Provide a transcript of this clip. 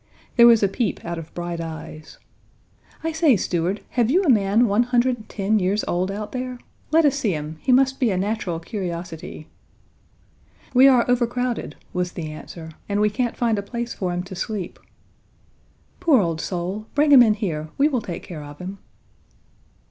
There was a peep out of bright eyes: "I say, steward, have you a man 110 years old out there? Let us see him. He must be a natural curiosity." "We are overcrowded," was the answer, "and we can't find a place for him to sleep." "Poor old soul; bring him in here. We will take care of him."